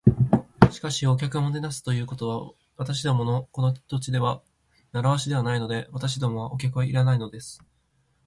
「しかし、お客をもてなすということは、私どものこの土地では慣わしではないので。私どもはお客はいらないのです」